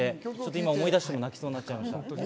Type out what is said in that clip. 今思い出しても泣きそうになっちゃいました。